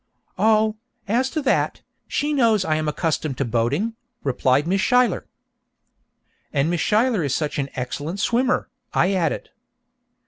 'Oh, as to that, she knows I am accustomed to boating,' replied Miss Schuyler. 'And Miss Schuyler is such an excellent swimmer,' I added.